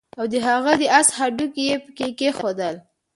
او د هغه د آس هډوکي يې پکي کېښودل